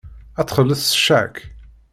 Ad txelleṣ s ccak.